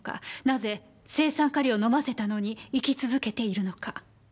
なぜ青酸カリを飲ませたのに生き続けているのか？